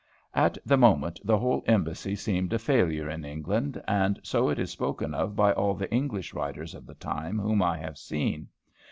At the moment the whole embassy seemed a failure in England, and so it is spoken of by all the English writers of the time whom I have seen.